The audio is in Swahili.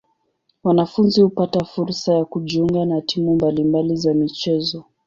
Wanafunzi hupata fursa ya kujiunga na timu mbali mbali za michezo.